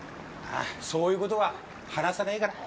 あぁそういうことは話さないから。